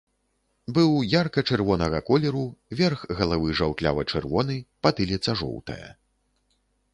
Быў ярка-чырвонага колеру, верх галавы жаўтлява-чырвоны, патыліца жоўтая.